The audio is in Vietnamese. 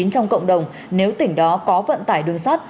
trong cộng đồng nếu tỉnh đó có vận tải đường sắt